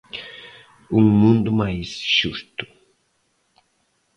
Un mundo máis xusto.